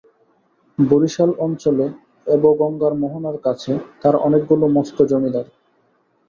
বরিশাল অঞ্চলে এব গঙ্গার মোহনার কাছে তাঁর অনেকগুলি মস্ত জমিদারি।